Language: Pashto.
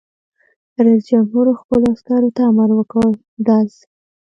رئیس جمهور خپلو عسکرو ته امر وکړ؛ ډز!